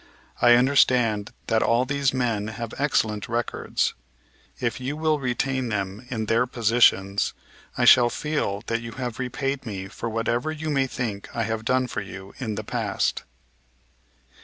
I understand that all these men have excellent records. If you will retain them in their positions I shall feel that you have repaid me for whatever you may think I have done for you in the past."